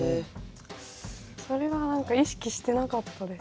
それは意識してなかったです。